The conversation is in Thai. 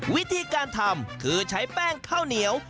วิธีการทำคือใช้แป้งข้าวเหนียว